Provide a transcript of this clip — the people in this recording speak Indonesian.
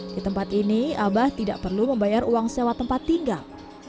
di tempat ini abah tidak perlu membayar uang sewa tempat tinggal